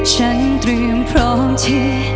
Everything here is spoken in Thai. ฉันเตรียมพร้อมที